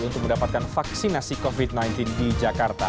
untuk mendapatkan vaksinasi covid sembilan belas di jakarta